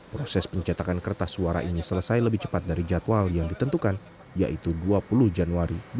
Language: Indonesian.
proses pencetakan kertas suara ini selesai lebih cepat dari jadwal yang ditentukan yaitu dua puluh januari dua ribu dua puluh